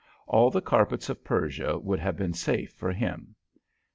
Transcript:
All the carpets of Persia would have been safe for him.